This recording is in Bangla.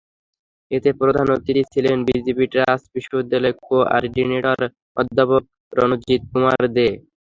এতে প্রধান অতিথি ছিলেন বিজিসি ট্রাস্ট বিশ্ববিদ্যালয়ের কো-অর্ডিনেটর অধ্যাপক রণজিৎ কুমার দে।